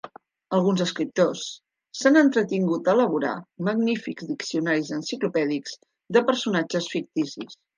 Alguns escriptors s'han entretingut a elaborar magnífics diccionaris enciclopèdics de personatges ficticis.